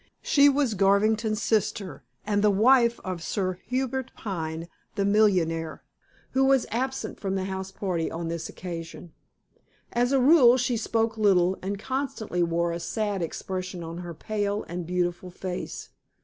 She was Garvington's sister, and the wife of Sir Hubert Pine, the millionaire, who was absent from the house party on this occasion. As a rule, she spoke little, and constantly wore a sad expression on her pale and beautiful face.